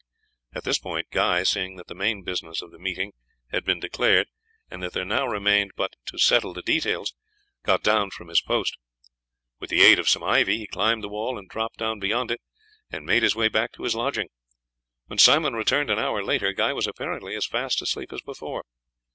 At this point, Guy, seeing that the main business of the meeting had been declared, and that there now remained but to settle the details, got down from his post. With the aid of some ivy he climbed the wall and dropped down beyond it, and made his way back to his lodging. When Simon returned an hour later, Guy was apparently as fast asleep as before.